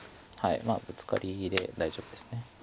まあブツカリで大丈夫です。